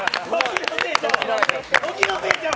時のせいちゃう！